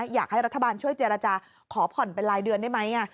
อยากให้รัฐบาลช่วยเจรจาขอผ่อนเป็นรายเดือนได้ไหม